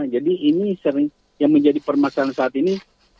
jadi ini sering yang menjadi permasalahan saat ini